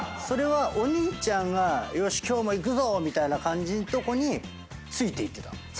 それはお兄ちゃんが「今日もいくぞ！」みたいな感じのとこについていってたの？